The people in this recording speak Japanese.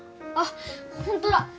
あっ本当だ！